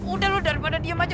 udah lu daripada diam aja